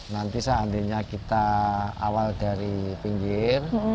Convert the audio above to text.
nanti seandainya kita awal dari pinggir